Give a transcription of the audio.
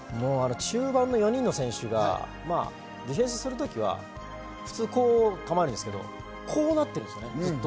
中盤の４人の選手がディフェンスするとき、普通は、こう構えるんですけど、こうなってるんですよね、ずっと。